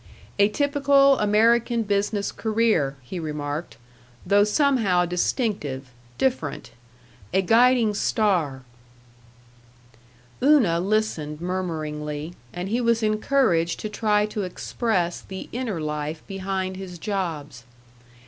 A typical American business career, he remarked, though somehow distinctive, different A guiding star Una listened murmuringly, and he was encouraged to try to express the inner life behind his jobs.